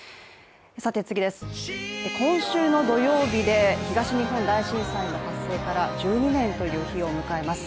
今週の土曜日で東日本大震災の発生から１２年という日を迎えます。